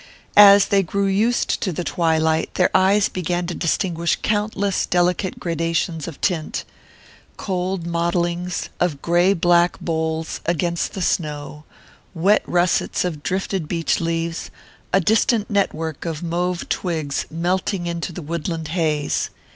As they grew used to the twilight their eyes began to distinguish countless delicate gradations of tint: cold mottlings of grey black boles against the snow, wet russets of drifted beech leaves, a distant network of mauve twigs melting into the woodland haze.